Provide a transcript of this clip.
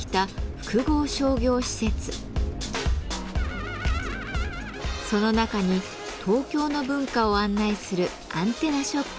その中に東京の文化を案内するアンテナショップがあります。